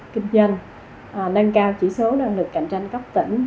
kinh doanh nâng cao chỉ số năng lực cạnh tranh cấp tỉnh